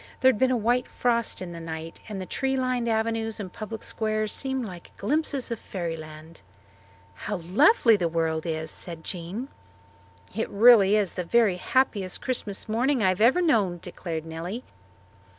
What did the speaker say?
There had been a white frost in the night and the tree lined avenues and public squares seemed like glimpses of fairyland. "How lovely the world is," said Jean. "This is really the very happiest Christmas morning I have ever known," declared Nellie.